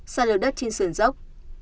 xa lờ đất trên sườn dốc